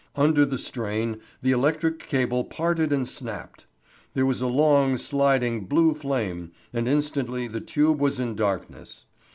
Under the strain the electric cable parted and snapped. There was a long, sliding, blue flame, and instantly the tube was in darkness.